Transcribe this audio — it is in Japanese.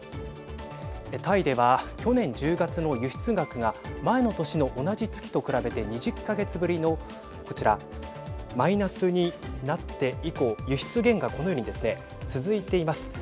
タイでは去年１０月の輸出額が前の年の同じ月と比べて２０か月ぶりのこちらマイナスになって以降、輸出減がこのようにですね続いています。